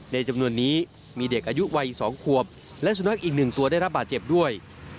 ในจำนวนนี้มีเด็กอายุวัย๒ขวบและสุนัขอีก๑ตัวได้รับบาดเจ็บด้วย